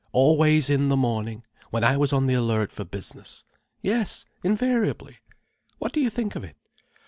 Always in the morning, when I was on the alert for business. Yes, invariably. What do you think of it?